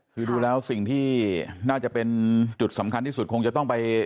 คือดูแล้วสิ่งที่น่าจะเป็นจุดสำคัญที่สุดคงจะต้องไป